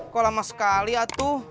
kok lama sekali atuh